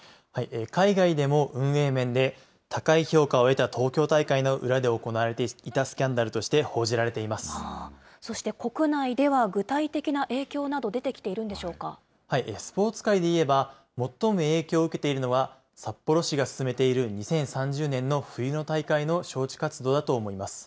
海外でも運営面で、高い評価を得た東京大会の裏で行われていたスキャンダルとして報そして国内では、具体的な影スポーツ界でいえば、最も影響を受けているのは、札幌市が進めている２０３０年の冬の大会の招致活動だと思います。